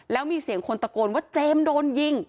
แล้วมีเสียงคนตะโกนว่าเจมส์โดนยิง